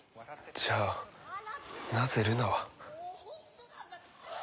じゃあなぜルナは。